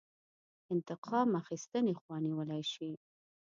انتقام اخیستنې خوا نیولی شي.